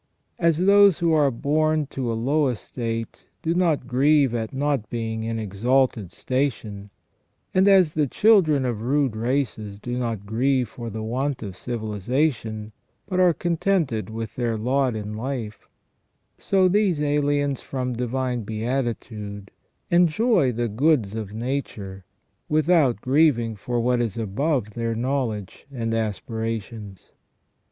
As those who are born to a low estate do not grieve at not being in exalted station ; and as the children of rude races do not grieve for the want of civilization, but are contented with their lot in life ; so these aliens from divine beatitude enjoy the goods of nature without grieving for what is above their knowledge and aspirations.